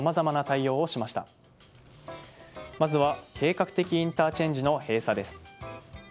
まずは計画的インターチェンジの閉鎖です。